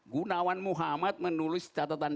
gunawan muhammad menulis catatan